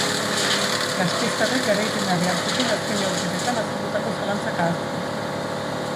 Gasteiztarrek garaipena behar zuten azken neurketetan azaldutako zalantzak ahazteko.